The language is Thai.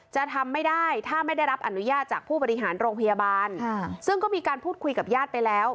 จะทำไม่ได้ถ้าไม่ได้รับอนุญาตจากผู้บริหารโรงพยาบาลซึ่งก็มีการพูดคุยกับญาติไปแล้ว